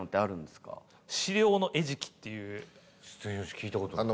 全然聞いたことない。